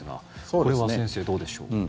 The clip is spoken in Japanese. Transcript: これは先生、どうでしょう？